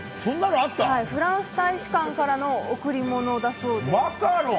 フランス大使館からの贈り物だそうです。